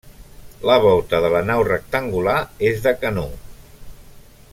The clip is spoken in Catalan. La volta de la nau rectangular és de canó.